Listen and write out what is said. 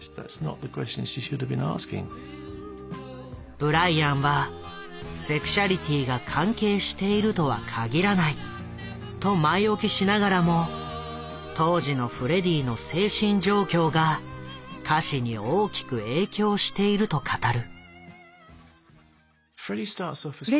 ブライアンはセクシャリティーが関係しているとは限らないと前置きしながらも当時のフレディの精神状況が歌詞に大きく影響していると語る。